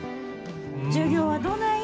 授業はどない？